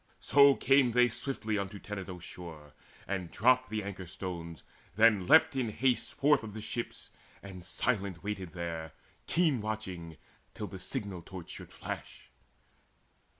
So came they swiftly unto Tenedos' shore, And dropped the anchor stones, then leapt in haste Forth of the ships, and silent waited there Keen watching till the signal torch should flash.